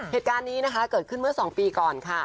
เหตุการณ์นี้นะคะเกิดขึ้นเมื่อ๒ปีก่อนค่ะ